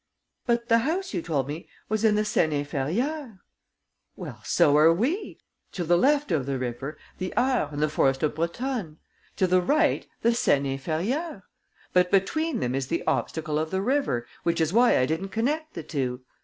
"But the house, you told me, was in the Seine inférieure." "Well, so are we! To the left of the river, the Eure and the forest of Brotonne; to the right, the Seine inférieure. But between them is the obstacle of the river, which is why I didn't connect the two.